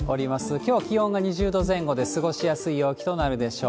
きょうは気温が２０度前後で過ごしやすい陽気となるでしょう。